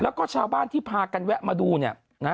แล้วก็ชาวบ้านที่พากันแวะมาดูเนี่ยนะ